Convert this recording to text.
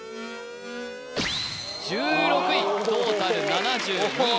１６位トータル７２位